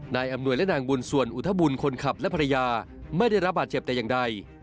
อำนวยและนางบุญส่วนอุทบุญคนขับและภรรยาไม่ได้รับบาดเจ็บแต่อย่างใด